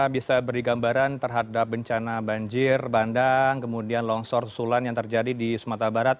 bisa beri gambaran terhadap bencana banjir bandang kemudian longsor susulan yang terjadi di sumatera barat